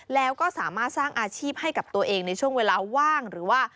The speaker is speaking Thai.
แล้วก็สามารถสร้างอาชีพให้กับตัวเองในช่วงเวลาว่างหรือว่า